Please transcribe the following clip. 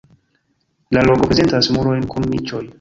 La loko prezentas murojn kun niĉoj.